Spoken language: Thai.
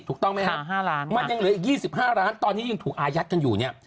ถูกต้องไหมครับ๕ล้านมันยังเหลืออีก๒๕ล้านตอนนี้ยังถูกอายัดกันอยู่เนี่ย